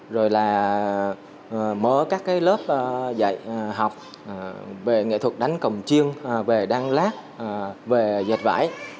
rồi là mở các cái lớp dạy học về nghệ thuật đánh cồng chiêng về đăng lát về dạch vải